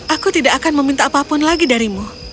aku tidak akan meminta apapun lagi darimu